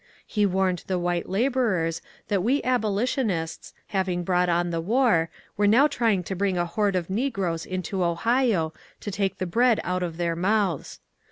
He warned the white labourers that we abolitionists, having brought on the war, were now trying to bring a horde of negroes into Ohio to take the bread out of their mouths.